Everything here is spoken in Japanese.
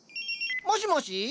もしもし？